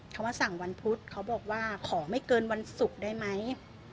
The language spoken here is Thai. เขามาสั่งวันพุธเขาบอกว่าขอไม่เกินวันศุกร์ได้ไหม